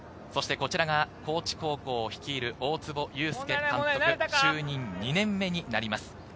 こちらが高知高校を率いる大坪裕典監督、就任２年目になります。